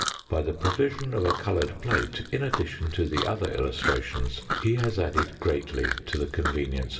By the provision of a coloured plate, in addition to the other illustrations, he has added greatly to the convenience of the reader.